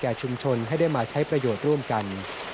ชุมชนให้ได้มาใช้ประโยชน์ร่วมกัน